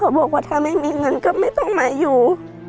บอกว่าถ้าไม่มีเงินก็ไม่ต้องมาอยู่